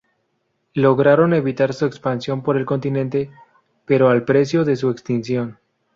Lograron evitar su expansión por el continente, pero al precio de su extinción.